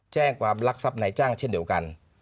แจ้งความลักษณะในจ้างเช่นเดียวกัน